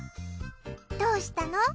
どうしたの？